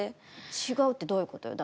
違うってどういうことよ。